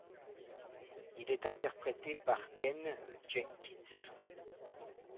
Il est interprété par Ken Jenkins.